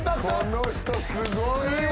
この人すごいわ。